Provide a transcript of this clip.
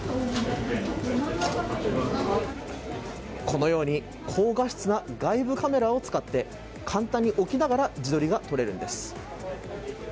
このように高画質な外部カメラを使って簡単に置きながら自撮りが撮れるんです。